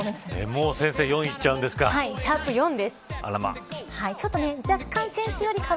もう４にいっちゃうんですか。